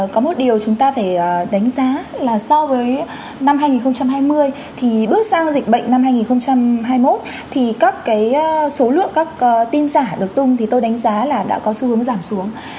có một điều chúng ta phải đánh giá là so với năm hai nghìn hai mươi thì bước sang dịch bệnh năm hai nghìn hai mươi một thì các cái số lượng các tin giả được tung thì tôi đánh giá là đã có xu hướng giảm xuống